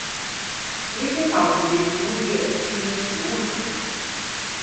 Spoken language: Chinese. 林石草属为植物界之一植物属。